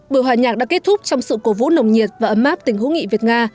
bữa hòa nhạc đã kết thúc trong sự cổ vũ nồng nhiệt và ấm áp tình hữu nghị việt nga